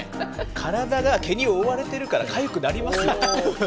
体が毛におおわれてるから、かゆくなりますよ。